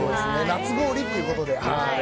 夏氷ということで。